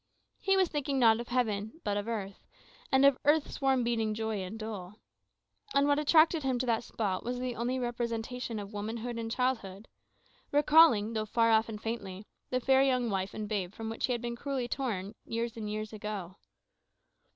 He was thinking not of heaven, but of earth, and of "earth's warm beating joy and dole." And what attracted him to that spot was only the representation of womanhood and childhood, recalling, though far off and faintly, the fair young wife and babe from whom he had been cruelly torn years and years ago.